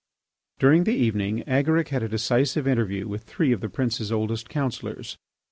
During the evening Agaric had a decisive interview with three of the prince's oldest councillors.